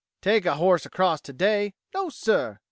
"Take a horse across today? No, sir!